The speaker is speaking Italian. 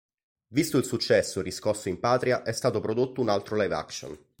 Visto il successo riscosso in patria, è stato prodotto un altro live action.